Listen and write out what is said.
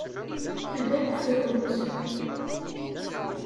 Ad akk frunt.